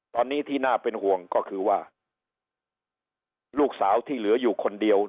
ตอนนี้ที่น่าเป็นห่วงก็คือว่าลูกสาวที่เหลืออยู่คนเดียว